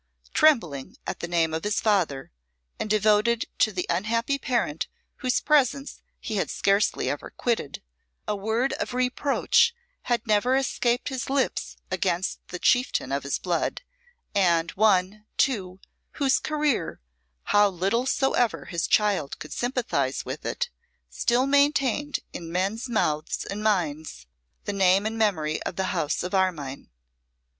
Trembling at the name of his father, and devoted to the unhappy parent whose presence he had scarcely ever quitted, a word of reproach had never escaped his lips against the chieftain of his blood, and one, too, whose career, how little soever his child could sympathise with it, still maintained, in men's mouths and minds, the name and memory of the house of Armine.